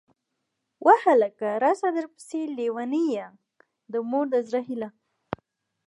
واه هلکه!!! راسه درپسې لېونۍ يه ، د مور د زړه هيلهٔ